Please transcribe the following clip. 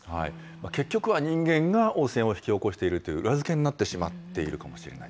結局は人間が汚染を引き起こしているという裏付けになってしまっているかもしれない。